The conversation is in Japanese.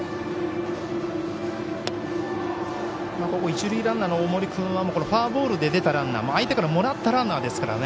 一塁ランナーの大森君はフォアボールで出たランナー相手からもらったランナーですからね。